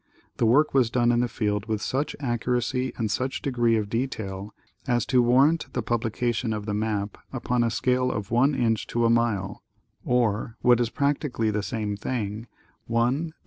The work was done in the field with such accuracy and such degree of detail as to warrant the publication of the map upon a scale of one inch to a mile, or, what is prac The Survey and Map of MassacJncsetts.